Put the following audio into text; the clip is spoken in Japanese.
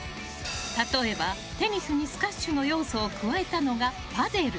例えば、テニスにスカッシュの要素を加えたのがパデル。